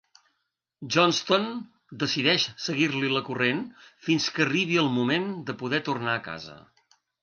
Johnston decideix seguir-li la corrent fins que arribi el moment de poder tornar a casa.